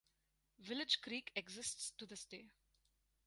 Village Creek exists to this day.